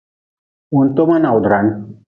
Wuntoma nawdrin.